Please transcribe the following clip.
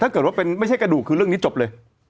ถ้าเกิดว่าเป็นไม่ใช่กระดูกคือเรื่องนี้จบเลย